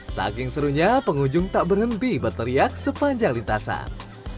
saking serunya pengunjung tak berhenti berteriak sepanjang lintasan